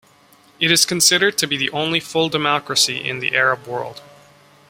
It is considered to be the only full democracy in the Arab World.